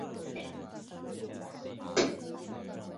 墨脱吊石苣苔为苦苣苔科吊石苣苔属下的一个种。